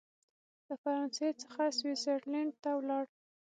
له فرانسې څخه سویس زرلینډ ته ولاړ.